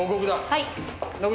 はい。